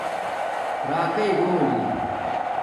راکئ گولی